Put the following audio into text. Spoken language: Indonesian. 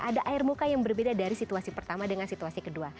ada air muka yang berbeda dari situasi pertama dengan situasi kedua